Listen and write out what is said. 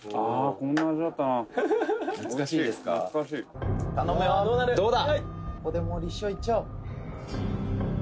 「ここでもう立証いっちゃおう」